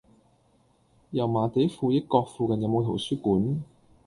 油麻地富益閣附近有無圖書館？